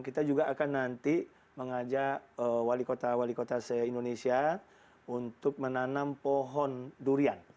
kita juga akan nanti mengajak wali kota wali kota se indonesia untuk menanam pohon durian